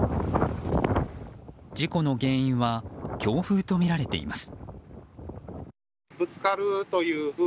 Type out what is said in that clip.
事故の原因は強風とみられています。